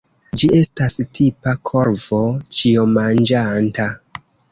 Ĝi estas tipa korvo ĉiomanĝanta.